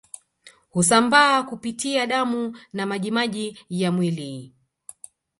Husambaa kupitia damu na majimaji ya mwili